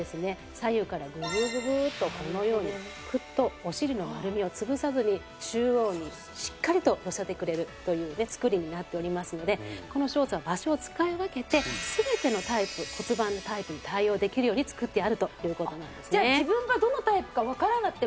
左右からググググッとこのようにクッとお尻の丸みを潰さずに中央にしっかりと寄せてくれるというね作りになっておりますのでこのショーツは場所を使い分けて全ての骨盤のタイプに対応できるように作ってあるという事なんですね。